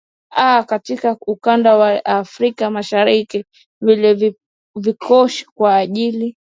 a katika ukanda wa afrika mashariki vile vikoshi kwa ajili